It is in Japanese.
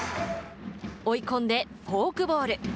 追い込んでフォークボール。